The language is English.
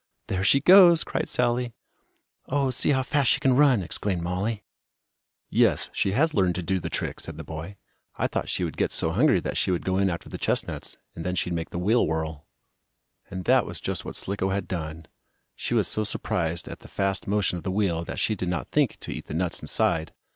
"There she goes!" cried Sallie. "Oh, see how fast she can run!" exclaimed Mollie. "Yes, she has learned to do the trick," said the boy. "I thought she would get so hungry that she would go in after the chestnuts, and then she'd make the wheel whirl." And that was just what Slicko had done. She was so surprised at the fast motion of the wheel that she did not think to eat the nuts inside.